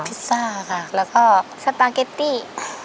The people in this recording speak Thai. พิซซ่าค่ะแล้วก็สปาเกตตี้